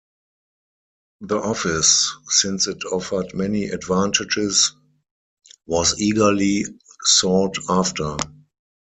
The office, since it offered many advantages, was eagerly sought after.